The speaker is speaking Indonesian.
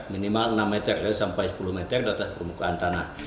minimal enam meter sampai sepuluh meter di atas permukaan tanah